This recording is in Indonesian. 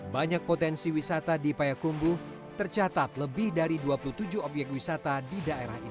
banyak potensi wisata di payakumbuh tercatat lebih dari dua puluh tujuh obyek wisata di daerah ini